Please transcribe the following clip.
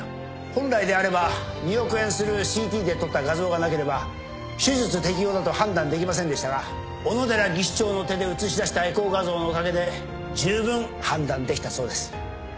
本来であれば２億円するＣＴで撮った画像がなければ手術適応だと判断できませんでしたが小野寺技師長の手で写し出したエコー画像のおかげでじゅうぶん判断できたそうです。